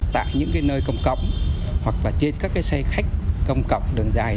tại những nơi công cộng hoặc là trên các xe khách công cộng đường dài